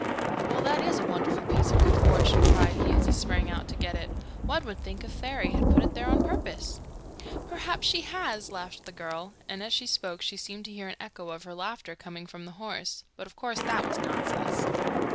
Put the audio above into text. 'Well, that is a wonderful piece of good fortune,' cried he, as he sprang out to get it. 'One would think a fairy had put it there on purpose.' 'Perhaps she has,' laughed the girl, and as she spoke she seemed to hear an echo of her laughter coming from the horse, but of course that was nonsense.